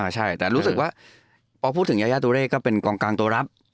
อ้อใช่แต่รู้สึกว่าอ๋อพอพูดถึงยายาตุเรก็เป็นกองกลางตัวรักษณ์